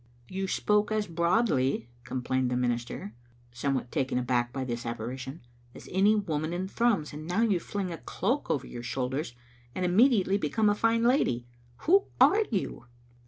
"You spoke as broadly," complained the minister, somewhat taken aback by this apparition, "as any woman in Thrums, and now you fling a cloak over your shoulders, and immediately become a fine lady. Who are you?"